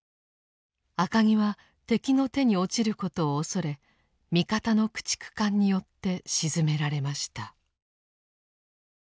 赤城は敵の手に落ちることを恐れ味方の駆逐艦によって沈められました。